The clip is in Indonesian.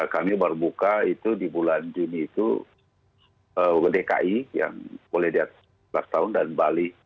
kami baru buka itu di bulan juni itu dki yang boleh di atas tahun dan bali